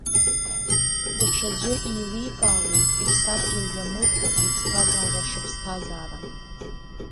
Даҽаӡәы еиликаауеит иԥсадгьыл иамыхәо иԥсҭазаара шыԥсҭазаарам.